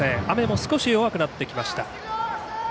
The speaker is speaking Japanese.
雨も少し弱くなってきました。